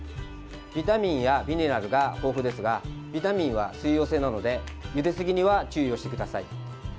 ビタミンやミネラルが豊富ですがビタミンは水溶性なのでゆですぎには注意をしてください。